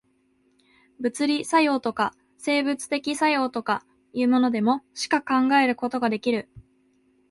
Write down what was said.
物理作用とか、生物的作用とかいうものでも、しか考えることができる。